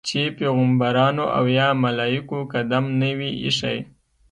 چې پیغمبرانو او یا ملایکو قدم نه وي ایښی.